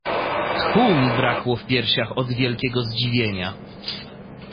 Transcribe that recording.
"Tchu mi brakło w piersiach od wielkiego zdziwienia."